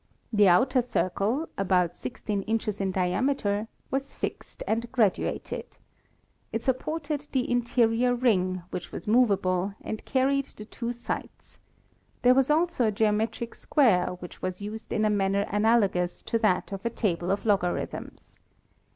The outer circle, about 16 inches in diameter, was fixed and graduated. It supported the interior ring, which was movable and carried the two sights. There was also a geometric square which was used in a manner analogous tc that of a table of logarithms.